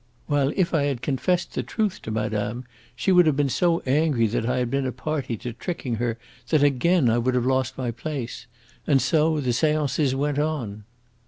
While if I had confessed the truth to madame, she would have been so angry that I had been a party to tricking her that again I would have lost my place. And so the seances went on."